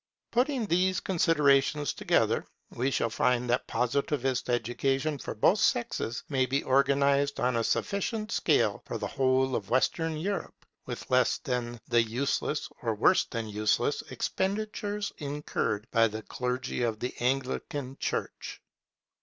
Putting these considerations together, we shall find that Positivist education for both sexes may be organized on a sufficient scale for the whole of Western Europe, with less than the useless, or worse than useless, expenditure incurred by the clergy of the Anglican church.